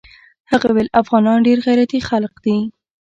هغه ويل افغانان ډېر غيرتي خلق دي.